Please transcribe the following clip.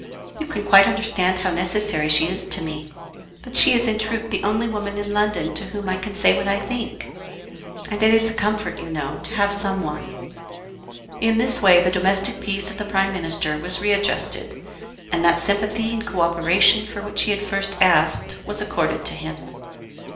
You can quite understand how necessary she is to me. But she is in truth the only woman in London to whom I can say what I think. And it is a comfort, you know, to have some one." In this way the domestic peace of the Prime Minister was readjusted, and that sympathy and co operation for which he had first asked was accorded to him.